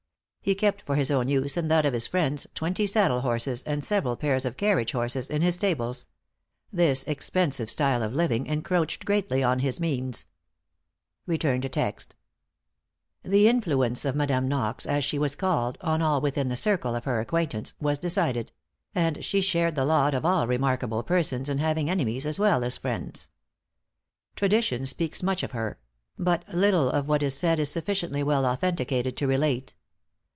He kept for his own use and that of his friends, twenty saddle horses and several pairs of carriage horses in his stables. This expensive style of living encroached greatly on his means. The influence of "Madam Knox," as she was called, on all within the circle of her acquaintance, was decided; and she shared the lot of all remarkable persons, in having enemies as well as friends. Tradition speaks much of her; but little of what is said is sufficiently well authenticated to relate.